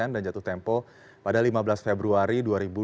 dan jatuh tempo pada lima belas februari dua ribu dua puluh lima